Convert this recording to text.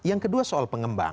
yang kedua soal pengembang